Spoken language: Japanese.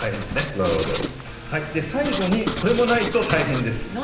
で最後にこれもないと大変です。